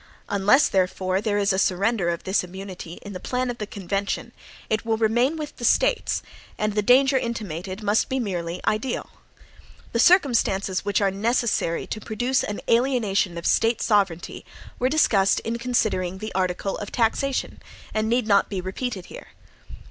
Unless, therefore, there is a surrender of this immunity in the plan of the convention, it will remain with the States, and the danger intimated must be merely ideal. The circumstances which are necessary to produce an alienation of State sovereignty were discussed in considering the article of taxation, and need not be repeated here.